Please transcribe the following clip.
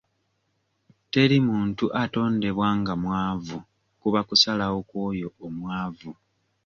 Teri muntu atondebwa nga mwavu kuba kusalawo kw'oyo omwavu.